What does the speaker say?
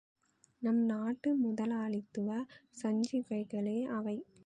நம் நாட்டு முதலாளித்துவ சஞ்சிகைகளே அவை.